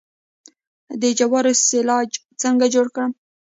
د جوارو سیلاج څنګه جوړ کړم؟